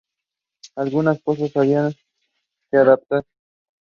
She believes that the best antidotes to obesity are exercise and diet.